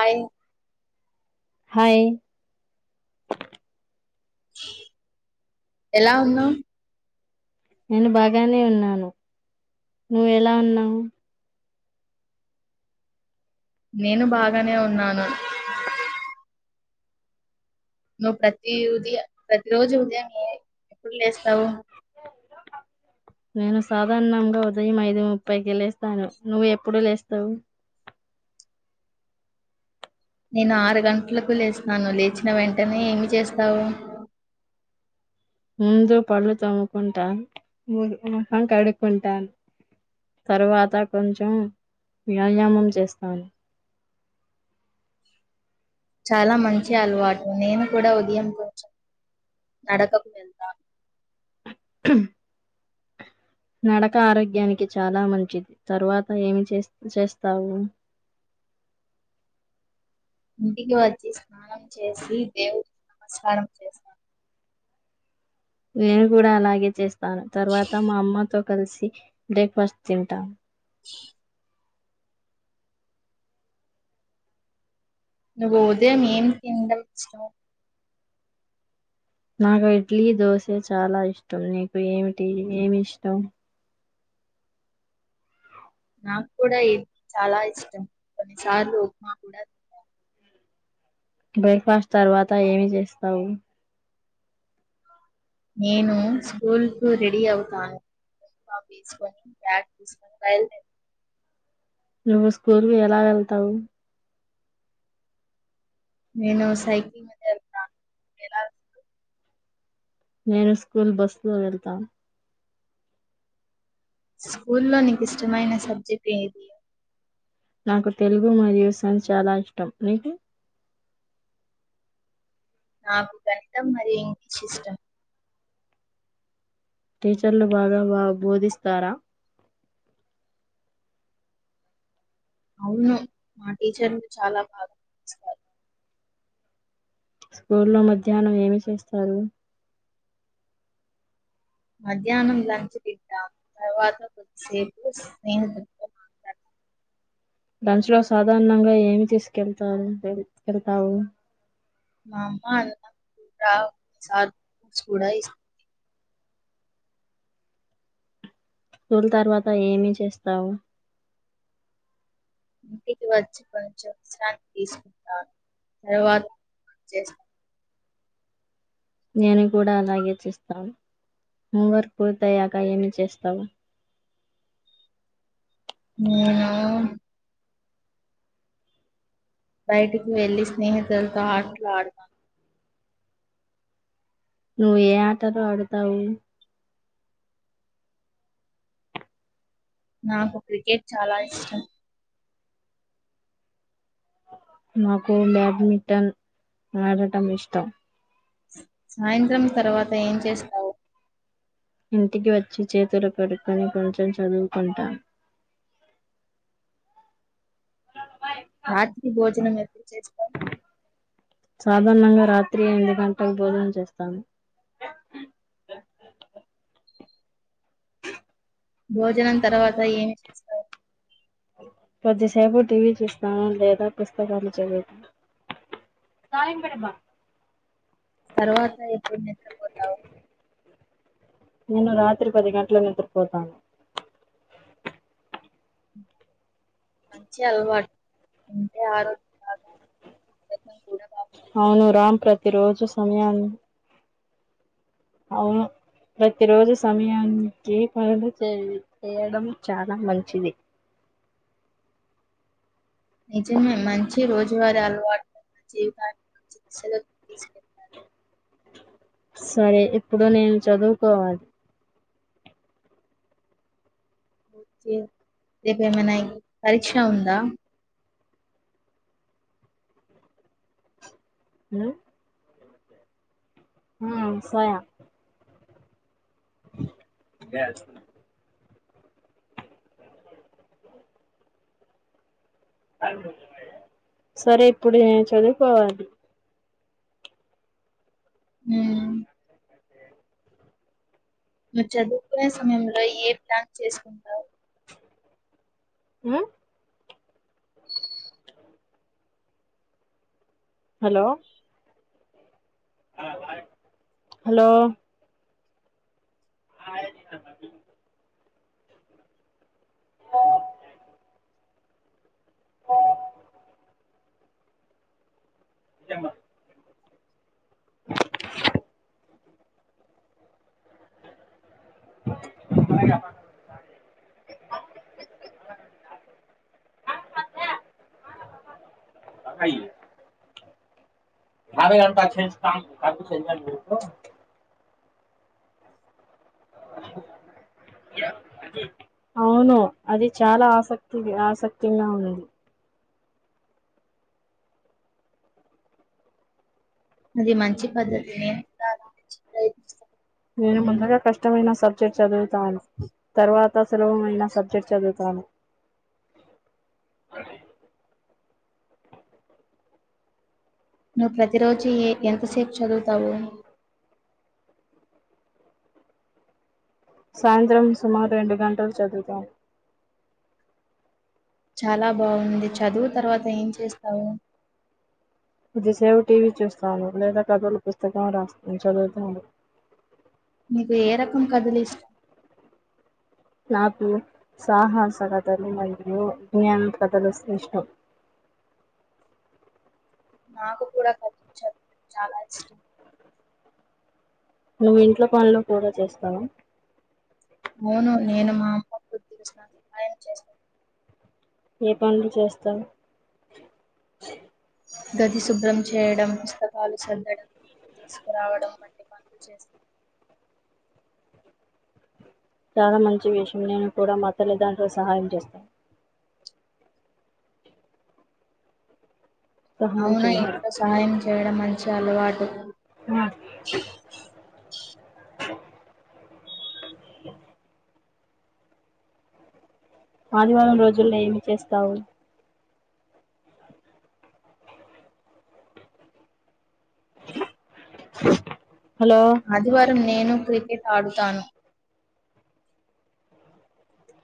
అయిన్ hi ఎలా ఉన్నావ్ నేను బాగానే ఉన్నాను నువ్వు ఎలా ఉన్నావు నేను బాగానే ఉన్నాను. నువ్వు ప్రతి ఉదయం ప్రతి రోజు ఉదయం ఏ ఎప్పుడు లేస్తావు నేను సాధారణంగా ఉదయం ఐదు ముప్పైకిి లేస్తాను నువ్వు ఎప్పుడు లేస్తావు? నేను ఆరు గంటలకు లేస్తాను లేచిన వెంటనే ఏమి చేస్తావు ముందు పళ్ళు తమ్ముకుంటాను. మొహం కడుక్కుంటాను. తరువాత కొంచెం వ్యాయామం చేస్తాను. చాలా మంచి అలవాటు నేను కూడా ఉదయం కొంచెం నడకకు వెళ్తా నడక ఆరోగ్యానికి చాలా మంచిది తరువాత ఏమి చేస్ చేస్తావు ఇంటికి వచ్చి స్నానం చేసి దేవుడికి నమస్కారం చేస్తారు నేను కూడా అలాగే చేస్ తాను తర్వాత మా అమ్మతో కలిసి బ్రేక్ఫాస్ట్ తింటాం. నువ్వు ఉదయం ఏం తిండం ఇష్టం నాకు ఇడ్లీ దోశ చాలా ఇష్టం నీకు ఏమిటి ఏమి ఇష్టం నాకు కూడా ఇది చాలా ఇష్టం కొన్నిసార్లు ఉప్మా కూడా బ్రేక్ఫాస్ట్ తర్వాత ఏమి చేస్తావు నేను స్కూల్ కు రెడీ అవుతాను యూనిఫామ్ తీసుకొని బ్యాగ్ తీసుకొని బయలుదేరుతాను నువ్వు స్కూల్కి ఎలా వెళ్తావు నేను సైకిల్ మీద వెళ్తాను. నువ్వు ఎలా వస్ నేను స్కూల్ బస్సు లో వెళ్తాను స్కూల్లో నీకు ఇష్టమైన సబ్జెక్ట్ ఏది నాకు తెలుగు మరియు సైన్స్ చాలా ఇష్టం నీకు నాకు గణితం మరి ఇంగ్లీష్ ఇష్టం టీచర్లు బాగా బా బోధిస్తారా అవును మా టీచర్లు చాలా బాగా బోధిస్తారు స్కూ ల్లో మధ్యాహ్నం ఏమి చేస్తారు? మధ్యాహ్నం లంచ్ తింటాం తర్వాత కొద్దిసేపు స్నేహితుడితో మాట్లాడ లంచ్ లో సాధారణంగా ఏమి తీసుకెళ్తారు వె వెళ్తావు మా అమ్మ అన్నంసార్స్ కూడా ఇస్తుంది స్కూల్ తర్వాత ఏమి చేస్తావు? ఇంటికి వచ్చి కొంచెం విశ్రాంతి తీసుకుంటాను తర్వాత వచ్చేసి నేను కూడా అలాగే చేస్తాను హోంవర్క్ పూర్తి అయ్యాక ఏమి చేస్తావు నేనా బయటికి వెళ్లి స్నేహితులతో ఆటలాడుతాం నువ్వు ఏ ఆటలో ఆడుతావు నాకు క్రికెట్ చాలా ఇష్టం మాకు బ్యాడ్మింటన్ ఆడటం ఇష్టం. సాయంత్రం తర్వాత ఏం చేస్తావు. ఇంటికి వచ్చి చేతులు కడుక్కోని కొంచెం చదువుకుంటా రాత్రి భోజనం ఏ చే సాధారణంగా రాత్రి ఎనిమిది గంటలు భోజనం చేస్తాము. భోజనం తర్వాత ఏమి చేస్తారు. కొద్దిసేపు టీవీ చూస్తాము లేదా పుస్తకాలు చదువుతాము. తర్వాత ఎప్పుడు నిద్రపోతావు నేను రాత్రి పది గంటలు పోతాను. మంచి అలవాటు ఇంటే ఆరోగ్య బాగా [unintelligible] అవును రామ్ ప్రతి రోజు సమయాన్ని అవును ప్రతిరోజు సమయానికి పనులు చే చేయడం చాలా మంచిది. నిజమే మంచి రోజువారీ అలవాటున్న జీవితాన్ని చికిత్సలోకి తీసుకెళ్తారు. సరే ఇప్పుడు నేను చదువుకోవాలి. రేపు ఏమైనా పరీక్ష ఉందా హ్మ్ ఆ సాయ బ్యాస్ సరే ఇప్పుడు నేను చదువుకోవాలి. హ్మ్ చదువుకునే సమయంలో ఏ ప్లాన్ చేసుకుంటారు. హ్మ్ హలో హలో హా స చెమ [inaudible] అయి అారఘంటా చే కా క అవును అది చాలా ఆసక్తి ఆసక్తింగా ఉంది. అది మంచి పద్ధతి నేను కూడా అలా ప్రయత్నిస్తాను. నేను ముందుగా కష్టమైన సబ్జెక్ట్ చదువు తర్వాత [unintelligible] మైన సబ్జెక్ట్ చదువుతాను. నువ్వు ప్రతిరోజు ఎంతసేపు చదువుతావు. సాయంత్రం సుమారు రెండు గంటలు చదువుతాను చాలా బావుంది. చదువు తర్వాత ఏం చేస్తావు. కొందిసేపు టీవీ చూస్తాను లేదా కథలు పుస్తకం రాస్తా చదువుతాను. మీకు ఏ రకం కథలు ఇష్టం. నాకు సాహసలకథలు మరియు జ్ఞానం కథలు శ్రేష్టం. నాకు కూడా కథలు చదువడం చాలా ఇష్టం. నువ్వు ఇంట్లో పనులో కూడా చేస్తావా అవును నేను మా అమ్మకు తెలిసిన సహాయం చేస్తాను. ఏ పనులు చేస్తారు. గది శుభ్రం చేయడం, పుస్తకాలు సర్దడం, నీళ్లు తీసుకురావడం వంటి పనులు చేస్తాను. చాలా మంచి విషయం నేను కూడా మా తల్లిదండ్రులు సహాయం చేస్తాను. సహాయం అవునా ఇంట్లో చేయాలి సహాయం చేయడం మంచి లవాటు ఆ ఆదివారం రోజుల్లో ఏమి చేస్తావు హలో ఆదివారం నేను క్రికెట్ ఆడుతాను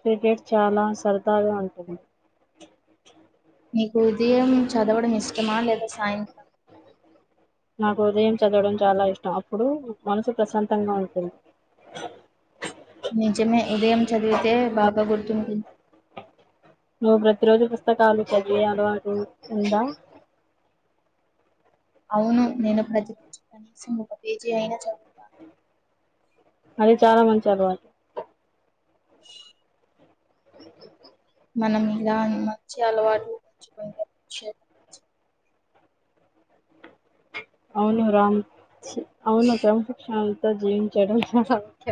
క్రికెట్ చాలా సరదాగా ఉంటుంది నీకు ఉదయం చదవడం ఇష్టమా లేదా సాయంత్రం నాకు ఉదయం చదవడం చాలా ఇష్టం అప్పుడు మనసు ప్రశాంతంగా ఉంటుంది నిజమే ఉదయం చదివితే బాగా గుర్తుంటుంది నువ్వు ప్రతిరోజు పుస్తకాలు చదివే అలవాటు ఉన్ ఉందా అవును నేను ప్రజ నుంచి కనీసం ఒక పేజీ అయినా చదువుతాను అది చాలా మంచి అలవాటు అ మనం ఇలా మంచి అలవాట్లు ఉంచుకుంటే అవును రామ్ అవును ప్రముఖ క్షన్ ఈ రోజు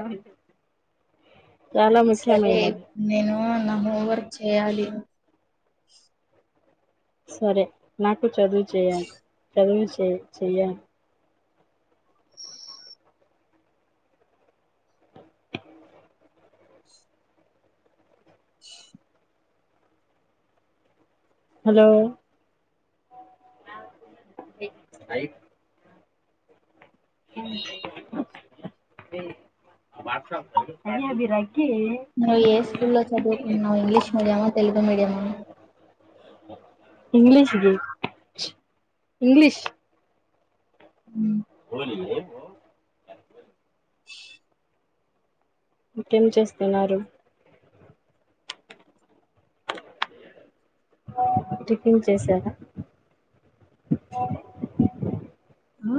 ఎం [unintelligible] సరే నేను నా హో వర్క్ చేయాలి సరే నాక్ చదువు చేయాలి చదువే చే చెయ్య హలో అభయి నువ్ ఏ స్కూల్లో చదువుకుంన్నవ్ English medium Telugu medium English గి ఇంగ్లీష్ ఉ పోలీ ఇంకేం చేస్తున్నారు టిఫిన్ చేశారా ఆ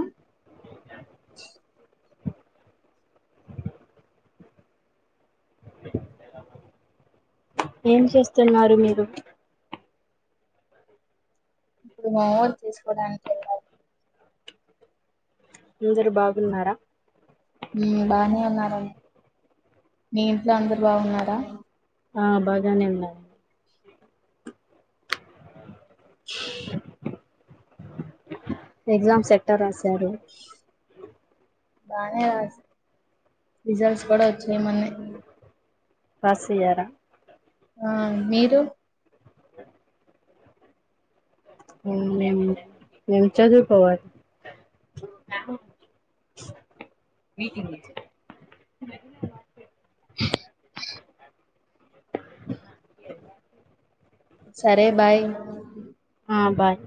ఏం చేస్తున్నారు మీరు ఇప్పుడు మే ఓట్ చేసుకోవడానికి వెళ్ళాలి అందరు బాగున్నారా హు బానే ఉన్నారన్ మీ ఇంట్లో అందరు బాగున్నారా ఆ బాగానే ఉన్నారు ఎగ్జామ్ ఎట్ట రాశారు బానే రిజల్ట్స్ కూడా వచ్చాయి మొన్నే పాస్ అయ్యారా ఆ మీరు మ్ నేను చదువు కోవ సరే బాయ్ ఆ బాయ్